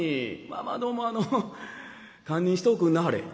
まあまあどうもあの堪忍しておくんなはれ」。